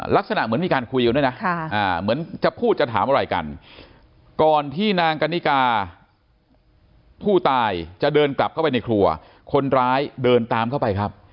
ลักษณะเหมือนมีการคุยกันด้วยนะเหมือนจะพูดจะถามอะไรกันก่อนที่นางกันนิกาผู้ตายจะเดินกลับเข้าไปในครัวคนร้ายเดินตามเข้าไปครับ